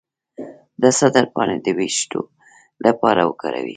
د سدر پاڼې د ویښتو لپاره وکاروئ